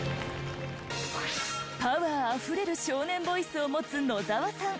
パワーあふれる少年ボイスを持つ野沢さん。